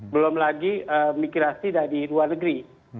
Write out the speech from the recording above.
belum lagi migrasi dari luar negeri